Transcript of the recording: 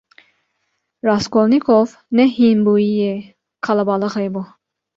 Raskolnîkov ne hînbûyiyê qelebalixê bû.